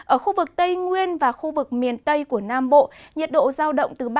ở khu vực tây nguyên và khu vực miền tây của nam bộ nhiệt độ giao động từ ba mươi năm đến ba mươi bảy độ